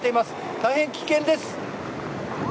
大変危険です。